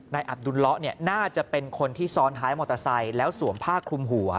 อับดุลเลาะน่าจะเป็นคนที่ซ้อนท้ายมอเตอร์ไซค์แล้วสวมผ้าคลุมหัว